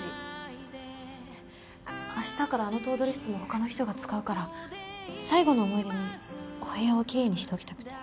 明日からあの頭取室も他の人が使うから最後の思い出にお部屋をきれいにしておきたくて。